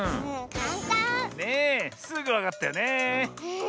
ねえすぐわかったよねえ。